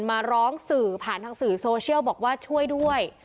มาร้องสื่อผ่านทางสื่อโซเชียลบอกว่าช่วยด้วย